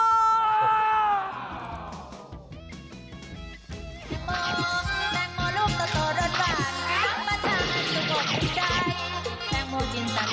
มันกลายเป็นหมด